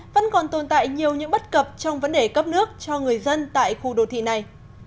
vẫn còn tồn tại nhiều những bất cập trong vấn đề cấp nước cho người dân tại khu đô thị này